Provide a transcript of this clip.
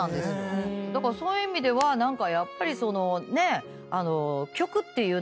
だからそういう意味では何かやっぱりそのね。